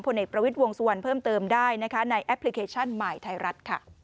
ผลเน็ตประวิศวงศ์ส่วนเพิ่มเติมได้ในแอปพลิเคชันหมายไทยรัฐ